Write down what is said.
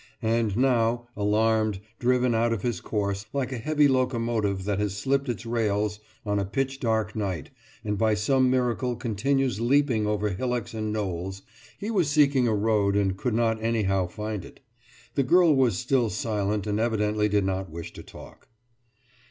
And now, alarmed, driven out of his course, like a heavy locomotive that has slipped its rails on a pitch dark night and by some miracle continues leaping over hillocks and knolls, he was seeking a road and could not anyhow find it. The girl was still silent and evidently did not wish to talk.